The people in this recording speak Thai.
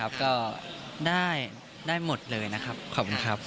ก็ได้หมดเลยนะครับขอบคุณครับ